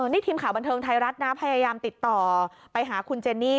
นี่ทีมข่าวบันเทิงไทยรัฐนะพยายามติดต่อไปหาคุณเจนี่